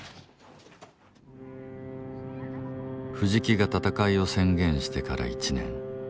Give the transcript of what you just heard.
藤木が闘いを宣言してから１年。